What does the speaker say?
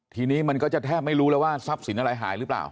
ทีนี้มันก็จะแทบไม่รู้แล้วว่าทรัพย์สินอะไรหายหรือเปล่า